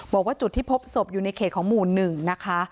บอกว่าจุดที่พบศพอยู่ในเขตของหมู่๑นะคะ